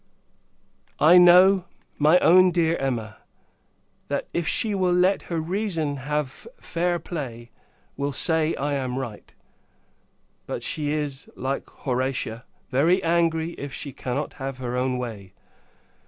I know, my own dear Emma, if she will let her reason have fair play, will say, I am right; but she is, like Horatia, very angry, if she cannot have her own way.